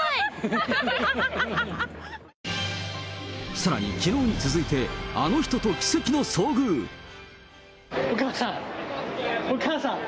さらにきのうに続いて、お母さん、お母さん！